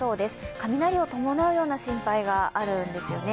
雷を伴うような心配があるんですよね。